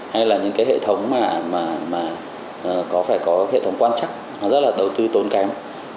hay là những cái hệ thống mà có phải có hệ thống quan chắc nó rất là đầu tư tốn kém